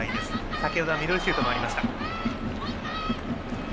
先程はミドルシュートもありました。